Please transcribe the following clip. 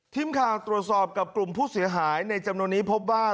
ทีมข่าวตรวจสอบกับกลุ่มผู้เสียหายในจำนวนนี้พบว่า